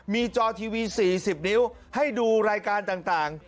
มีจอทีวี๔๐นิ้วให้ดูรายการต่าง